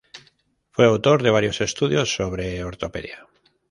Fue autor de varios estudios sobre ortopedia.